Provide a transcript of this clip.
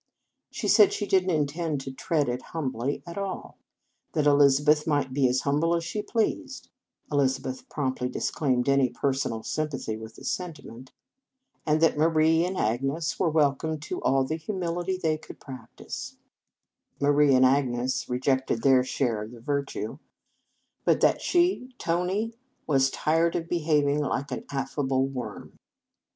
She said she did n t intend to tread it humbly at all; that Elizabeth might be as humble as she pleased (Eliza beth promptly disclaimed any personal sympathy with the sentiment), and that Marie and Agnes were welcome to all the humility they could practise 202 Reverend Mother s Feast (Marie and Agnes rejected their share of the virtue), but that she Tony was tired of behaving like an af fable worm.